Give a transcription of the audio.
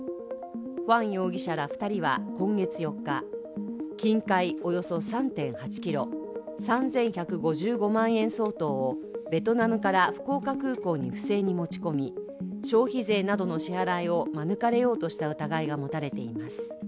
ホァン容疑者ら２人は今月４日、金塊およそ３．８ｋｇ、３１５５万円相当ベトナムから福岡空港に不正に持ち込み、消費税などの支払いを免れようとした疑いが持たれています。